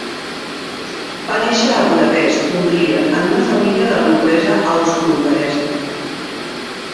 Va néixer a Budapest, Hongria en una família de la noblesa austrohongaresa.